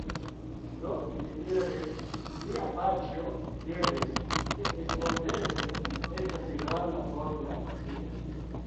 Do, li diris... mia paĉjo diris, ke estontece estos granda forno tie